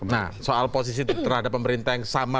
nah soal posisi terhadap pemerintah yang sama